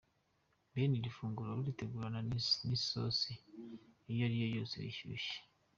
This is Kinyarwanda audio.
Bene iri funguro uritegurana n’isosi iyo ari yo yose rigishyushye.